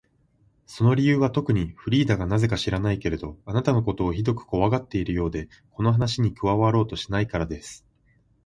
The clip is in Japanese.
その理由はとくに、フリーダがなぜか知らないけれど、あなたのことをひどくこわがっているようで、この話に加わろうとしないからです。